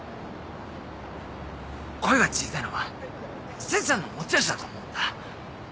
声が小さいのはしずちゃんの持ち味だと思うんだ。